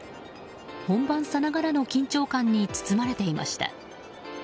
本番さながらの緊張感に包まれていました。